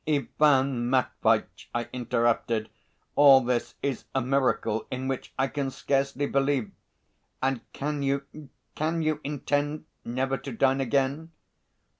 "Ivan Matveitch," I interrupted, "all this is a miracle in which I can scarcely believe. And can you, can you intend never to dine again?"